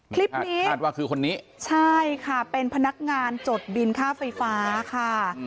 คลิปนี้คาดว่าคือคนนี้ใช่ค่ะเป็นพนักงานจดบินค่าไฟฟ้าค่ะ